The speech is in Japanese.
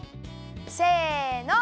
せの！